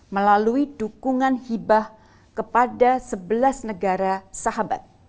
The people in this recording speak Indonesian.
melalui dukungan hibah kepada sebelas negara sahabat